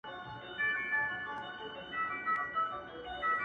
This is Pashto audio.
• ټولي نړۍ ته کرونا ببر یې,